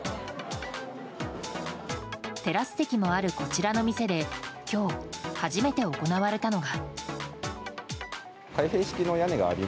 テラス席もあるこちらの店で今日、初めて行われたのが。